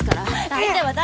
相手は誰？